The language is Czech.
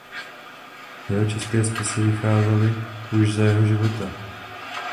Jeho české spisy vycházely už za jeho života.